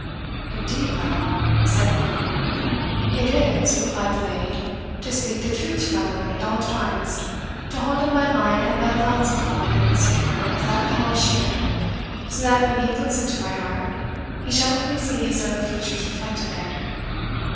"Indeed, madam?" said Varney. "It is," replied the lady, "to speak the truth to my lord at all times to hold up my mind and my thoughts before him as pure as that polished mirror so that when he looks into my heart, he shall only see his own features reflected there."